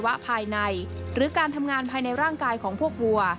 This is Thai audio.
ภายในหรือการทำงานภายในร่างกายของพวกวัว